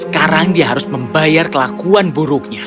sekarang dia harus membayar kelakuan buruknya